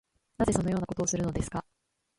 なぜそのようなことをするのですか